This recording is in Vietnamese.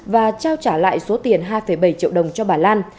và trao trả lại số tiền hai bảy triệu đồng cho bà lan